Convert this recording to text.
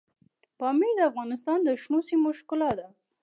پامیر د افغانستان د شنو سیمو ښکلا ده.